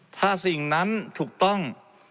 ถ้าสิ่งนั้นถูกต้อง